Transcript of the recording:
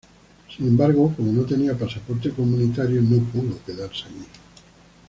Sin embargo como no tenía pasaporte comunitario no pudo quedarse allí.